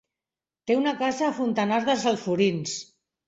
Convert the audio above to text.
Té una casa a Fontanars dels Alforins.